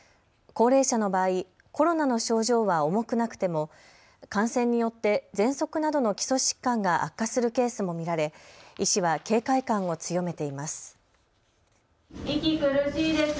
高齢者の場合、コロナの症状は重くなくても感染によってぜんそくなどの基礎疾患が悪化するケースも見られ、医師は警戒感を強めています。